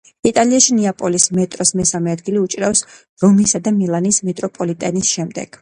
იტალიაში ნეაპოლის მეტროს მესამე ადგილი უჭირავს რომისა და მილანის მეტროპოლიტენების შემდეგ.